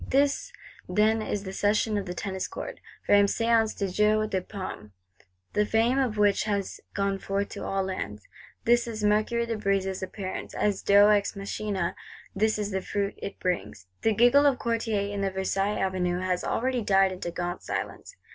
This, then, is the Session of the Tennis Court, famed Séance du Jeu de Paume; the fame of which has gone forth to all lands. This is Mercurius de Brézé's appearance as Deus ex machinâ; this is the fruit it brings! The giggle of Courtiers in the Versailles Avenue has already died into gaunt silence.